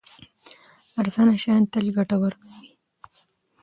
ارزانه شیان تل ګټور نه وي.